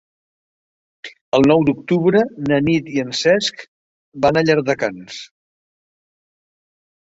El nou d'octubre na Nit i en Cesc van a Llardecans.